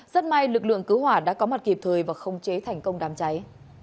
rất may lực lượng cứu hỏa đã có mặt kịp thời và không chế thành công đám cháy